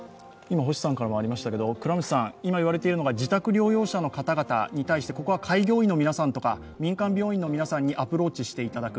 倉持さん、今言われているのが自宅療養者の方々に向けてここは開業医の皆さんとか民間病院の皆さんにアプローチしていただく。